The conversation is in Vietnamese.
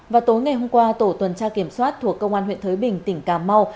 và tối ngày hôm qua tổ tuần tra kiểm soát thuộc công an huyện thới bình tỉnh cà mau